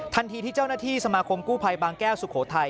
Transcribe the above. ทันทีที่เจ้าหน้าที่สมาคมกู้ภัยบางแก้วสุโขทัย